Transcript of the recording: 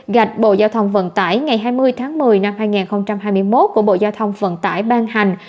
gạch bộ giao thông vận tải ngày hai mươi tháng một mươi năm hai nghìn hai mươi một của bộ giao thông vận tải ban hành